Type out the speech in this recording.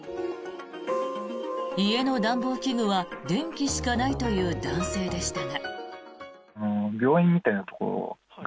家の暖房器具は電気しかないという男性でしたが。